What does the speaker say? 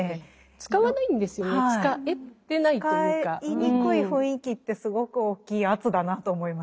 使いにくい雰囲気ってすごく大きい圧だなと思います。